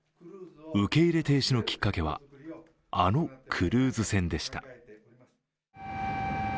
受け入れ停止のきっかけはあのクルーズ船でした。